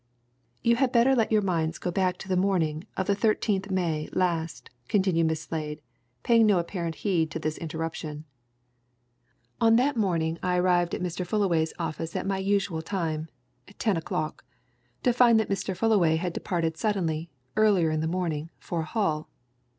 "You had better let your minds go back to the morning of the 13th May last," continued Miss Slade, paying no apparent heed to this interruption. "On that morning I arrived at Mr. Fullaway's office at my usual time, ten o'clock, to find that Mr. Fullaway had departed suddenly, earlier in the morning, for Hull.